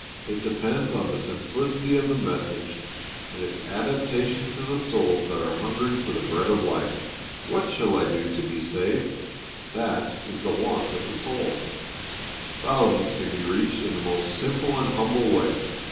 It depends upon the simplicity of the message and its adapta tion to the souls that are hungering for the bread of life. "What shall I do to be saved?" — this is the want of the soul. 232 Christ's Object Lessons Thousands can be reached in the most simple and humble way.